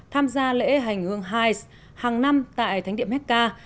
tham gia lễ hành hương haiz hàng năm tại thánh điệp hekka